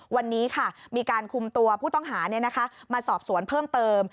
วันนี้ค่ะมีการคุมตัวผู้ต้องหามาสอบสวนเพิ่มเติม